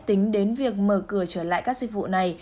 tính đến việc mở cửa trở lại các dịch vụ này